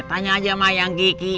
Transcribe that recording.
tanya aja sama ayang geki